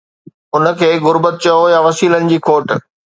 ان کي غربت چئو يا وسيلن جي کوٽ.